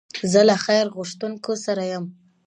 زه له خیر غوښتونکو سره یم.